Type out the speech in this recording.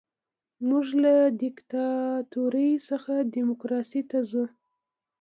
موږ له دیکتاتورۍ څخه ډیموکراسۍ ته ځو.